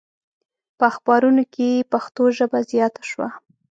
په اخبارونو کې پښتو ژبه زیاته شوه.